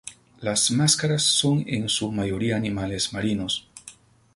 Las máscaras son en su mayoría animales marinos.